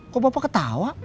kok bapak ketawa